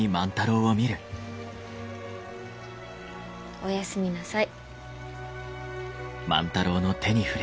おやすみなさい。